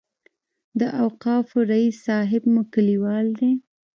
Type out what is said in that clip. د اوقافو رئیس صاحب مو کلیوال دی.